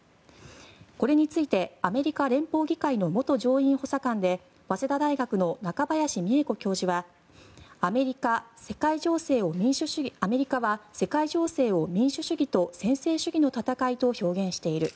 これについてアメリカ連邦議会の元上院補佐官で早稲田大学の中林美恵子教授はアメリカは世界情勢を民主主義と専制主義の戦いと表現している。